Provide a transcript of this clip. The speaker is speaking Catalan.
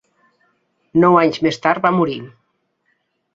Nou anys més tard va morir.